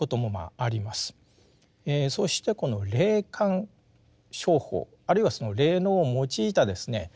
そしてこの霊感商法あるいはその霊能を用いたですね